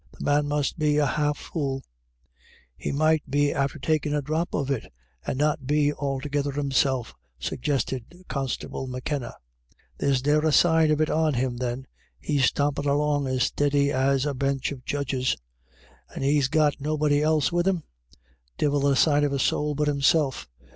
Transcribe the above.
The man must be a half fool ?" "He might be after takin' a drop of it, and not be altogether himself," suggested Constable M'Kenna. " There's ne'er a sign of it on him then. He's stompin' along as steady as a bench of judges." " And he's got nobody else with him ?"" Divil the sign of a soul but himself."